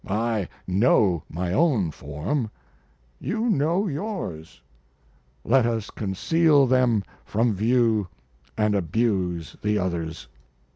I know my own form, you know yours. Let us conceal them from view and abuse the others.